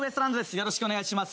よろしくお願いします。